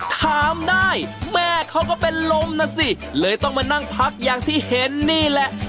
ถามได้แม่เขาก็เป็นลมนะสิเลยต้องมานั่งพักอย่างที่เห็นนี่แหละ